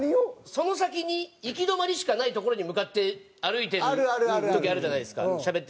その先に行き止まりしかない所に向かって歩いてる時あるじゃないですかしゃべってる人が。